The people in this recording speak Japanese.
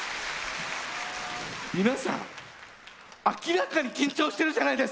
皆さん明らかに緊張してるじゃないですか！